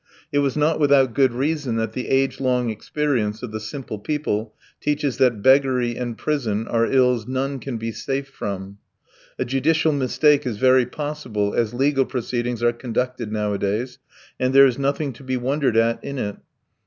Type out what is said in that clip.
It was not without good reason that the agelong experience of the simple people teaches that beggary and prison are ills none can be safe from. A judicial mistake is very possible as legal proceedings are conducted nowadays, and there is nothing to be wondered at in it.